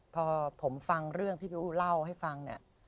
พอผมฟังเรื่องที่พี่อู๋เล่าให้ฟังเนี่ย